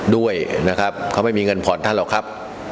ด้วยนะครับเขาไม่มีเงินผ่อนท่านหรอกครับ